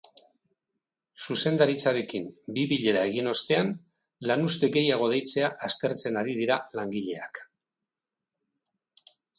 Zuzendaritzarekin bi bilera egin ostean, lanuzte gehiago deitzea aztertzen ari dira langileak.